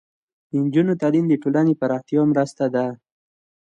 د نجونو تعلیم د ټولنې پراختیا مرسته ده.